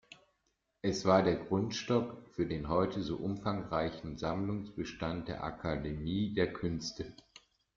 Es war der Grundstock für den heute so umfangreichen Sammlungsbestand der Akademie der Künste.